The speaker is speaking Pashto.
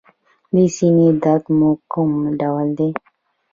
د سینې درد مو کوم ډول دی؟